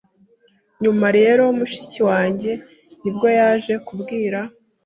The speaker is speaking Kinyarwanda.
Nyuma rero mushiki wanjye nibwo yaje kubwira